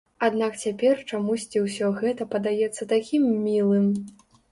Аднак цяпер чамусьці ўсё гэта падаецца такім мілым.